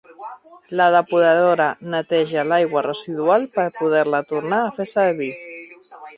La depuradora neteja l'aigua residual per poder-la tornar a fer servir.